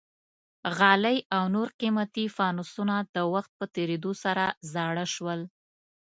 غالۍ او نور قیمتي فانوسونه د وخت په تېرېدو سره زاړه شول.